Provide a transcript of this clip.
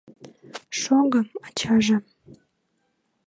Шого, ачаже...